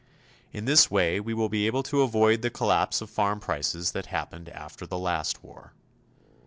In this way we will be able to avoid the collapse of farm prices that happened after the last war.